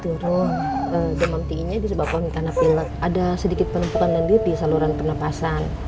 turun kemampuannya disebabkan karena pilih ada sedikit penumpukan dan di saluran penampasan